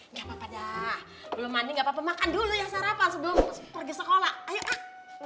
nggak apa apa dah belum mandi nggak apa apa makan dulu ya sarapan sebelum pergi sekolah ayo